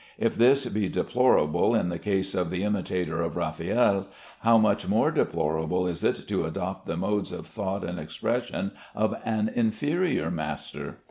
If this be deplorable in the case of the imitator of Raffaelle, how much more deplorable is it to adopt the modes of thought and expression of an inferior master!